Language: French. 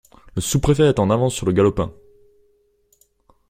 Le sous-préfet est en avance sur le galopin!